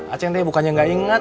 acing deh bukannya gak inget